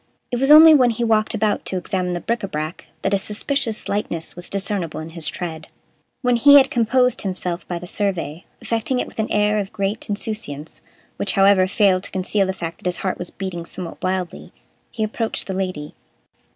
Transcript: It was only when he walked about to examine the bric Ã brac that a suspicious lightness was discernible in his tread. When he had composed himself by the survey, effecting it with an air of great insouciance, which, however, failed to conceal the fact that his heart was beating somewhat wildly, he approached the Lady.